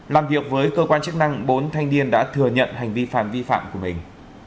làm việc với cơ quan chức năng bốn thanh niên đã thừa nhận hành vi phạm vi phạm của mình